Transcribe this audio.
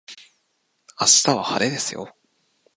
明日は晴れですよ